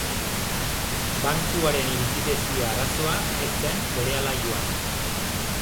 Bankuaren likidezia-arazoa ez zen berehala joan.